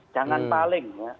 jangan paling ya